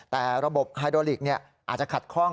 แต่ระบบไฮโดลิกอาจจะขัดข้อง